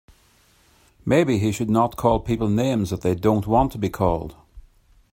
Maybe he should not call people names that they don't want to be called.